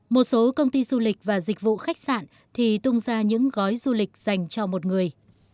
một số công ty du lịch và dịch vụ khách sạn thì tung ra những gói du lịch dành cho một người